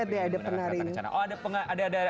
tuh lihat deh ada penari